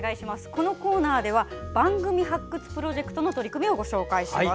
このコーナーでは「番組発掘プロジェクト」の取り組みをご紹介します。